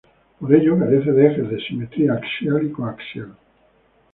Por ello carece de ejes de simetría axial y coaxial.